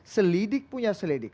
selidik punya selidik